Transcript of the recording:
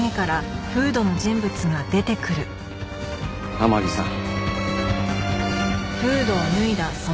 天樹さん。